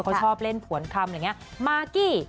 เขาชอบเล่นผวนคำหรืออะไรแบบนี้